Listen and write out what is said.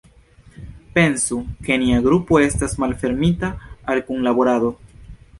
Pensu, ke nia grupo estas malfermita al kunlaborado.